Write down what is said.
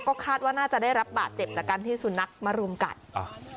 ก็คาดว่าน่าจะได้รับบาดเจ็บจากการที่สุนัขมารุมกัดอ่า